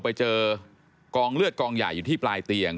ไปเจอกองเลือดกองใหญ่อยู่ที่ปลายเตียง